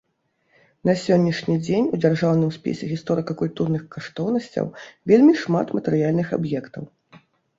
На сённяшні дзень у дзяржаўным спісе гісторыка-культурных каштоўнасцяў вельмі шмат матэрыяльных аб'ектаў.